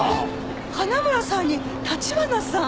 花村さんに立花さん！